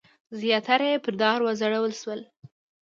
زیاتره یې پر دار وځړول شول.